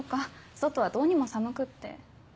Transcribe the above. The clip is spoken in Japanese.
外はどうにも寒くって。